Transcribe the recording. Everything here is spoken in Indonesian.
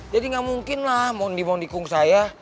jadi nggak mungkin lah mondi mondikung saya